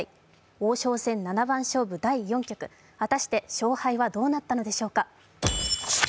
王将戦七番勝負、第４局、果たして勝敗はどうなったのでしょうか。